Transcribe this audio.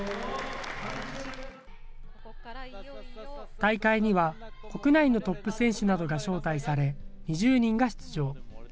大会には国内のトップ選手などが招待され、２０人が出場。